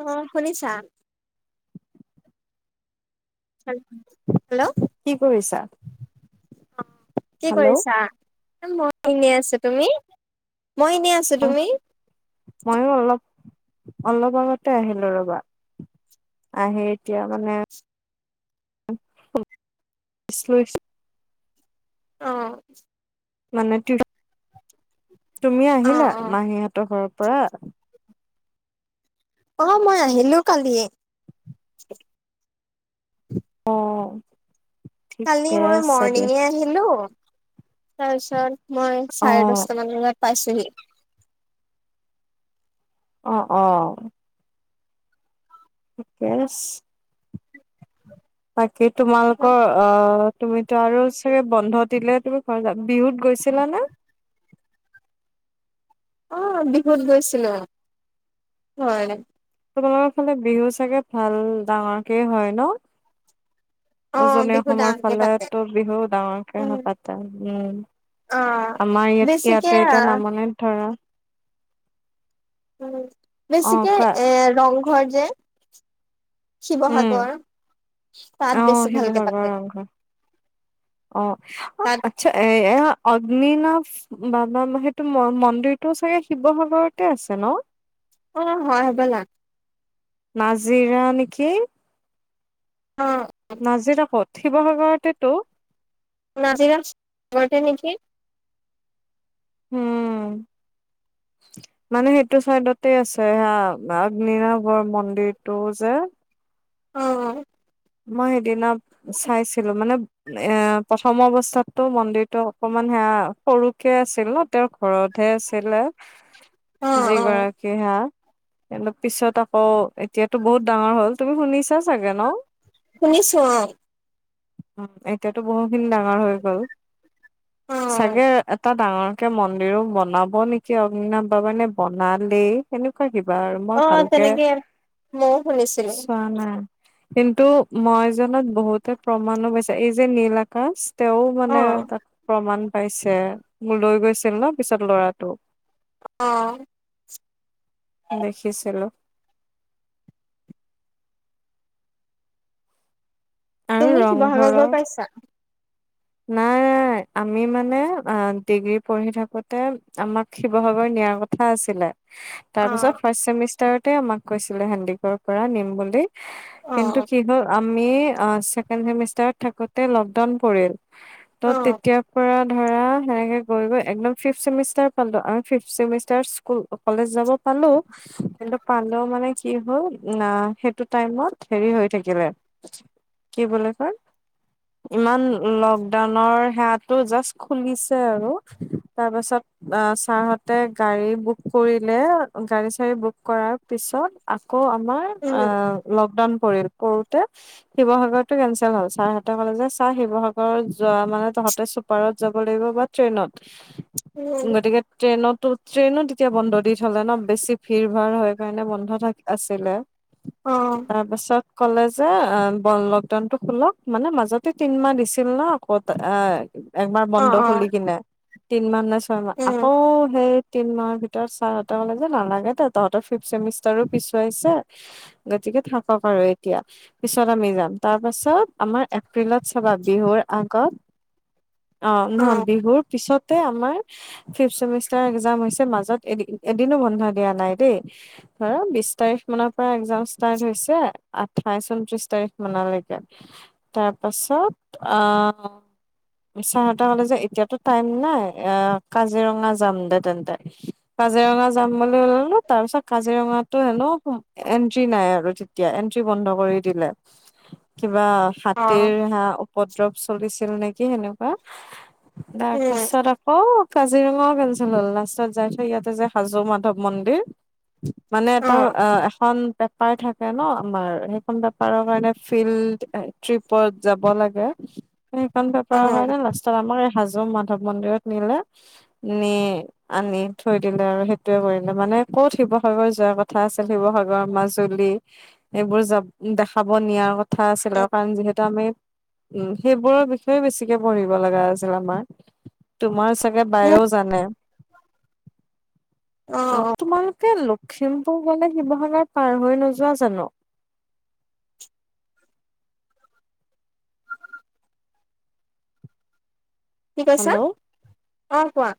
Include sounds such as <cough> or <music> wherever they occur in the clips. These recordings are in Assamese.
অহ, শুনিছা। হেল্ল। কি কৰিছা? কি হেল্ল' কৰিছা? মই এনে আছো। তুমি মই এনেই আছো, তুমি? ময়ো অলপ অলপ আগতে আহিলো, ৰবা আহি, এতিয়া মানে <unintelligible> ৰেষ্ট লৈছো। অঁ। মানে টিউচন তুমি অ', আহিলা, অ', মাহীহঁতৰ ঘৰৰ পৰা? অ, মই আহিলো কালিয়ে। অঁ। কালি মই মৰ্ণিঙে আহিলো- তাৰপিছত মই অ চাৰে দশটা মান বজাত পাইছেহি। অ- অ ঠিকেই আছে। বাকি তোমালোকৰ অ- তুমিতো আৰু চাগে বন্ধ দিলে তুমি ঘৰ যাবা। বিহুত গৈছিলা নে? অ' বিহুত গৈছিলো। হয়- তোমালোকৰ ফালে বিহু চাগে ভাল ডাঙৰকে হয় ন? অ', উজনি বিহু অসমৰ ডাঙৰকে পাতে। ফালেতো বিহু ডাঙৰকে উম, পাতে, অ', উম- আমাৰ ইয়াতো বেছিকে ইয়াতে এতিয়া নামনিত ধৰা উম অ বেছিকে কোৱা এ ৰং ঘৰ যে শিৱসাগৰ তাত বেছি উমঅ ভালকে শিৱসাগৰৰ পাতে। ৰংঘৰ। অ তাত আচ্ছা এইয়া অগ্নিনাভ বাবা সেইটো মন্দিৰটো চাগে শিৱসাগৰতে আছে ন অ হয় হ'বলা। নাজিৰা নেকি অ', নাজিৰা কত? শিৱসাগৰতেটো। নাজিৰা ঘৰতে নেকি? উম মানে সেইটো চাইডতে আছে সেয়া অগ্নিনাভৰ মন্দিৰটো যে, অ মই সেইদিনা চাইছিলো মানে এ প্ৰথম অৱস্থাতটো মন্দিৰটো অকনমান সেয়া সৰুকে আছিল ন? তেওঁৰ ঘৰতহে আছিলে। অ', অ', যিগৰাকী সেয়া কিন্ত পিছত আকৌ, এতিয়াতো বহুত ডাঙৰ হ'ল। তুমি শুনিছা চাগে ন? শুনিছো অ। এতিয়াতো বহুখিনি ডাঙৰ হৈ গ'ল। অ', চাগে তাত ডাঙৰ কে মন্দিৰো বনাব নেকি অগ্নিনাথ বাবাৰ নে বনালেই, এনেক কিবা আৰু মই অ', ভালকে- তেনেকে ময়ো শুনিছিলো চোৱা নাই। <unintelligible> ত- মই জনত বহুতে প্ৰমাণো পাইছোঁ, এই যে নীল আকাশ- তেওঁও মানে অ', তাত প্ৰমাণ- পাইছে মোক লৈ গৈছিল ন, পিছত লৰাটোোক। অ- দেখিছিলো। আৰু তুমি শিৱসাগৰৰ ৰংঘৰৰ গৈ পাইছা? নাই নাই! আমি মানে ডিগ্ৰী পঢ়ি থাকোতে আমাক শিৱসাগৰ নিয়াৰ কথা আছিলে। তাৰপিছত অ', ফাৰ্ষ্ট ছেমিষ্টাৰত। তাই আমাক কৈছিলে হেন্দিকৰ পৰা নিম বুলি। কিন্তু অ', কি হ'ল। আমি ছেকেণ্ড চেমিষ্টাৰত থাকোতে লকডাউন পৰিল। অ', ত তেতিয়াৰ পৰা ধৰা সেনেকে গৈ গৈ একদম ফিফ চেমিষ্টাৰ পালো আৰু ফিফ চেমিষ্টাৰত কলেজ যাব পালোঁ কিন্তু পালো মানে কি হ'ল সেইটো টাইমত হেৰি হৈ থাকিলে কি বুলি কয় ইমান লগ গানৰ হেয়াতু জাষ্ট খুলিছে আৰু তাৰ পিছত ছাৰহঁতে গাড়ী বুক কৰিলে, গাড়ী চাৰি বুক কৰাৰ পিছত আকৌ আমাৰ উম, অ' লকডাউন। কৰিল কৰোঁতে শিৱসাগৰ টো কেনচেল হ'ল। ছাৰহঁতে ক'লে যে চাৰ শিৱসাগৰ। যোৱা মানে তহঁতে চুপাৰত যাব লাগিব বা ট্ৰেইনত। উম, গতিকে ট্ৰেইনতো-ট্ৰেইনত তেতিয়া বন্ধ দি হ'লে ন বেছি ভিৰ ভাৰ হয় কাৰণে বন্ধ আছিলে। অ', তাৰ পিছত? ক'লে যে অ' বন লকডাউন টো খোলক মানে মাজতে তিনমাহ দিছিল ন। ক'ত? একবা বান্ধ অ', হলি অ', কিনে। তিন মান। উম, আকৌ সেই, তিন মাহৰ ভিতৰত ছাৰহঁতে ক'লে যে নালাগে দে তহঁতৰ ফিফ ছেমিষ্টাৰো পিছুৱাইছে গতিকে থাকক আৰু এতিয়া পিছত আমি যাম। তাৰ পাছত আমাৰ এপ্ৰিলত চাবা বিহুৰ। আকৌ। অ' নহয়, বিহুৰ পিছত। আমাৰ ফিফ চেমিষ্টাৰ একজাম হৈছে মাজত এদিন এদিনো বন্ধ দিয়া নাই দেই, ধৰা বিশ তাৰিখ মানৰ পৰা এক্জাম ষ্টাৰ্ট হৈছে আঠাইশ ঊনত্ৰিশ তাৰিখ মানলৈকে তাৰ পাছত অঁ, ছাৰহঁতে কলে যে এতিয়াটো টাইম নাই কাজিৰঙা যাম দে তেন্তে, কাজিৰঙা যাম বুলি ললো তাৰ পিছত কাজিৰঙাটো হেনো এন্ট্ৰি নাই আৰু এতিয়া এন্ট্ৰি বন্ধ কৰি দিলে। বা হাতেৰ অ', হাঁ ভদ্ৰৱ চলি দিছিল নেকি সেনেকুৱা। তাৰ উম, পাছত আকৌ কাজিৰঙাও কেঞ্চেল হ'ল লাষ্টত যাই থৈ ইয়াতে যাই হাজো মাধৱ মন্দিৰ মানে এটা অ এখন পেপাৰ থাকে ন' আমাৰ, সেইখন পেপাৰৰ কাৰণে ফিল্ড ট্ৰিপত যাব লাগ <unintelligible> সেইখন পেপাৰৰ অ', কাৰণে লাষ্টত আমাৰ হাজো মাধৱ মন্দিৰত নিলে নি আনি থৈ দিলে আৰু সেইটোৱে কৰিলে মানে কত শিৱসাগৰ যোৱাৰ কথা আছিল শিৱসাগৰ মাজুলী এইবোৰ যাব দেখাব নিয়াৰ কথা আছিলে আৰু কাৰণ যিহেতু আমি উ সেইবোৰৰ বিষয়ে বেছিকৈ পঢ়িব লগা আছিল আমাৰ, তোমাৰ চাগে মোৰ বায়েও জানে। অ, অ', তোমালোকে লখিমপুৰ গলে শিৱসাগৰ পাৰ হৈ নোযোৱা জানো? <unintelligible> কি কৈছা? হেল্ল'। অ কোৱা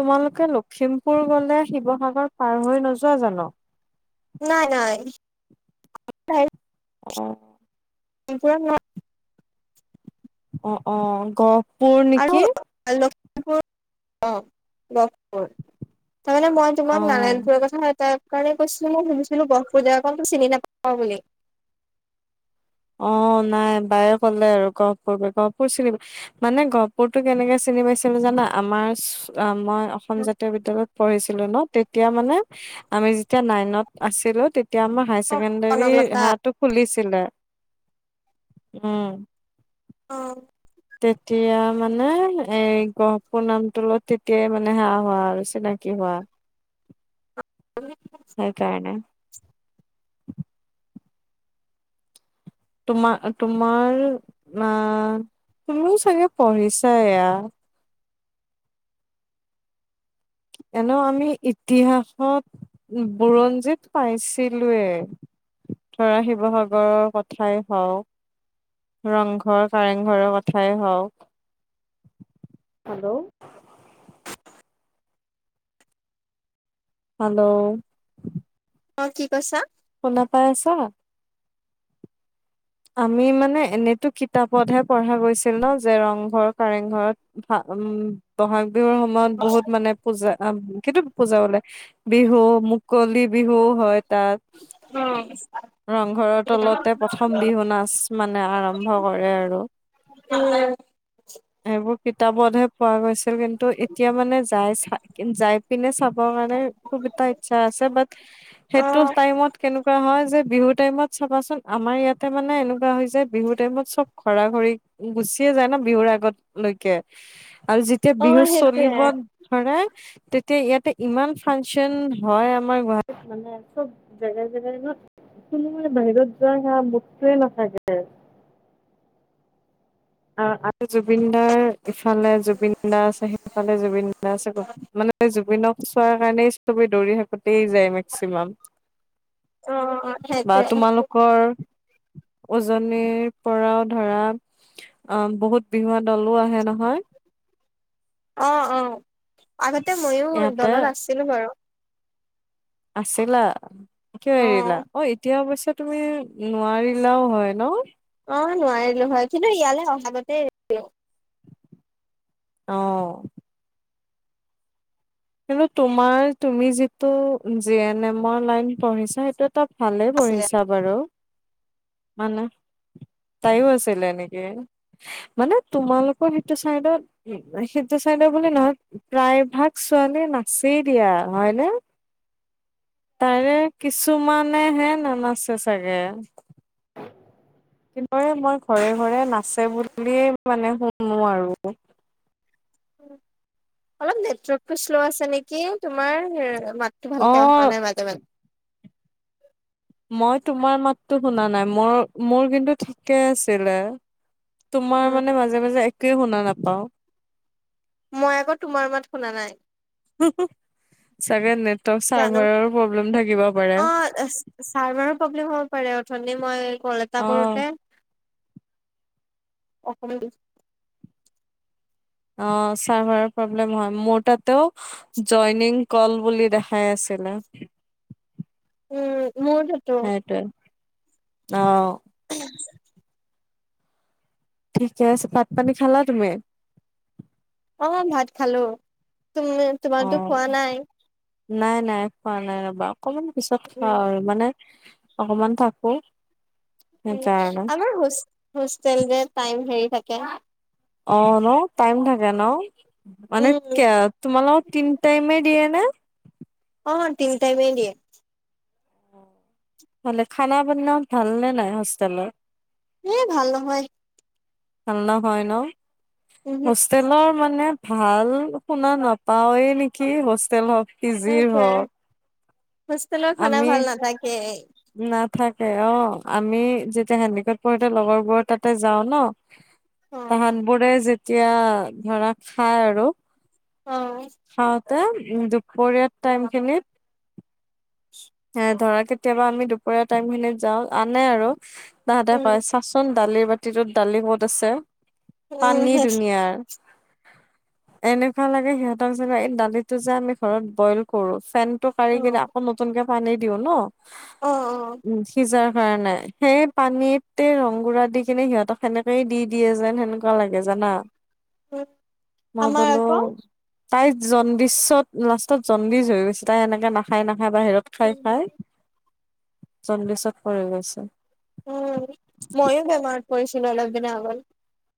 তোমালোকে লখিমপুৰ গলে শিৱসাগৰ ৰ পাৰ হৈ নোযোৱা জানো নাই নাই অ এতিয়া অ অ গ গহপুৰ আৰু নেকি? লখিমপুৰ তাৰমানে মই তোমাক অ'। নাৰায়ণপুৰৰ কথা তাই সেই কাৰণে কৈছো মই সুধিছিলো গহপুৰ জেগা কণ তো চিনি নাপাও বুলি অ নাই বায়ে কলে আৰু গহপুৰ গহপুৰ চিনি মানে গহপুৰতো কেনেকে চিনি পাইছিলো জানা আমাৰ মই অসম জাতীয় বিদ্যালয়ত পঢ়িছিলো ন তেতিয়া মানে আমি যেতিয়া নাইনত আছিলো তেতিয়া আমাৰ হাইস্কুল ছেকেণ্ডাৰী কনকলতা হাহটো খুলিছে ছিলিলে উম অ তেতিয়া মানে এই গহপুৰ নামটো লগত তেতিয়াই মানে হে হোৱা আৰু চিনাকি হোৱা সেইকাৰণে উ <unintelligible> তোমাৰ তোমাৰ আ তুমিও চাগে পঢ়িছা এয়া এনেও আমি ইতিহাসত বুৰঞ্জীত পাইছিলোৱেই ধৰা শিৱসাগৰৰ কথাই হওঁক ৰংঘৰ কাৰেংঘৰৰ কথাই হওক হেল্ল হেল্ল' অ কি কৈছা শুনা পাই আছা আমি মানে এনেতো কিতাপতহে পঢ়া গৈছিল ন যে ৰংঘৰ কাৰেংঘৰত উম বহা বিহুৰ সময়ত বহুত মানে পূজা কিটো পূজা বলে বিহু মুকলি বিহু হয় তাত উম ৰংঘৰৰ তলতে প্ৰথম নাচ মানে আৰম্ভ কৰে আৰু পিতাপতহে পোৱা গৈছিল কিন্তু এতিয়া মানে যাই যাই পিনে চাব ু এটা অ সেই কেনেকুৱা হয় বিহু টাইমত চাবাচোন আমাৰ ইয়াত তাৰ মানে এনেকুৱা হৈ যে বিহুৰ টাইমত চব ঘৰা ঘৰি গুছিয়ে যায় ন বিহুৰ আগত লকে আৰু যেতিয়া অ বিহু সেইটোৱে চলিব ধৰে তেতিয়া ইয়াতে ইমান ফাংচন হয় আমাৰ গুৱাহাটীত মানে চব জেগাই জেগাই কোন বাহিৰত যোৱা সে ব ত মখাজ <unintelligible> অ আৰু জুবিন দাৰ ইফালে জুবিন দা আছে সেইফালে জুবিন দা নাই আ চাগো মানে জুবিনক চোৱাৰ কাৰণেই চবে দৌৰি থাকোতেই যায় মেক্সিমাম অ বা সেইটোৱে তোমালোকৰ উজনিৰ পৰাও ধৰা অ বহুত বিহুৱা দলো আহে নহয় অ অ আগতে ময়ো ইয়াতে দলত আছিলো বাৰু আছিলা কিয় অ এৰিলা অ এতিয়া অৱশ্যে তুমি নোৱাৰিলাও হয় ন অ নোৱাৰিলো হয় কিন্তু ইয়ালৈ অহাতেই ওহ কিন্তু তোমাৰ তুমি যিটো জি এন এমৰ লাইন পঢ়িছা সেইটো ত ভালে আছিলে পঢ়িছা বাৰু মানে তাইও আছিলে এনেকে মানে তোমালোকৰ সেইটো চাইডত সেইটো চাইডৰ বুলি নহয় প্ৰায় ভাগ ছোৱালী নাচেই দিয়া হয়নে তাৰে কিছুমানেহে নানাচে চাগে কিন্ত মই ঘৰে ঘৰে নাচে বুলিয়েই মানে শুনো আৰু অলপ নেটৱৰ্কটো শ্ল' আছে নেকি তোমাৰ মাতটো অ ভালকে অহা নাই মাজে মাজে মই তোমাৰ মাততো শুনা নাই মোৰ মোৰ কিন্তু ঠিকে আছিলে তোমাৰ উম মানে মাজে মাজে কি শুনা নাাপাওঁ? মই আকৌ তোমাৰ মাত শুনা নাই। চাগে নেটৱৰ্ক জানো চাৰ্ভাৰৰ প্ৰব্লেম থাকিব পাৰে। অ মানে, মই ক'ল এটা অ কৰোঁতে! অসম বি অ'! চাৰ্ভাৰ প্ৰব্লেম হয়। মোৰ তাতেও জইনিং ক'ল বুলি দেখাই আছিলে। উম! মোৰ তাতো সেইটোৱে। অ'! ঠিকে আছে। ভাত পানী খালা তুমি? অ'! ভাত খালোঁ। তুমি, তোমাৰতো অ', খোৱা নাই। নাই, নাই। খোৱা নাই ৰ'বা। অকমান পিছত উম, খাওঁ আৰু মানে অকমান থাকক। আমাৰ হোষ্ট, হোষ্টেল টাইম হেৰি তাকে। অ' ন'! টাইম থাকে ন'। মানে, উম, <unintelligible> তোমালোক তিন টাইমে দিয়ে নে? অ'! তিন টাইমে দিয়ে। ভালে! খানা পিন ভাল নে নাই হোষ্টেলৰ? এ, ভাল নহয়! ভাল নহয় ন'? উমহু, হোষ্টেলৰ মানে, ভাল শুনা নাপাওয়ে নেকি হোষ্টেলত? পিজিৰ হওক হোষ্টলৰ খানা ভাল নাথাকেই। নাথাকে অ'! আমি যেতিয়া হেণ্ডিকেত পঢ়োঁতে লগৰবোৰৰ তাতে যাওঁ ন' অ', তাহাতবোৰে যে এতিয়া ধৰা খায় আৰু। অ'! <unintelligible> দুপৰীয়াৰ টাইম খিনিত হে, ধৰা কেতিয়াবা আমি দুপৰীয়া টাইম খিনিত যাওঁ আনে আৰু। তাহাঁতে কয় উম, চাচোন! দালিৰ বাতিটোত দালি কত আছে। পানী উম, দুুনিয়াৰ এনেকুৱা লাগে সিহঁতক যে এই দালিটো যে আমি ঘৰত বইল কৰো ফেন টো কাৰি অ', কিনা নতুনকে পানী দিওঁ ন। অ', অ উম, সিজা হয় নাই সেই পানীতে ৰং গুৰা দি কিনে সিহঁতক সেনেকেই দি দিয়ে যেন সেনেকুৱা লাগে জানা। উম, মই আমাৰ বোলো আকৌ তাই জণ্ডিছত লাষ্টত জন্ডিছ হৈ গৈছে তাই এনেকে নাখাই না। হা বাহিৰত খায় উম, খায়। চণ্ডিচত পৰি গৈছে। উম, ময়ো বেমাৰত পৰিছিলো অলপ দিনা আগত।